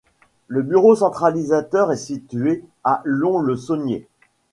Le bureau centralisateur est situé à Lons-le-Saunier.